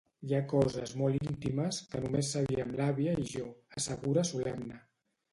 Hi ha coses molt íntimes, que només sabíem l'àvia i jo —assegura solemne—.